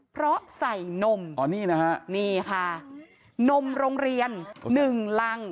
เพราะใส่นมนี่ค่ะนมโรงเรียน๑ลัง